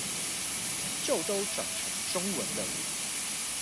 就都轉成中文了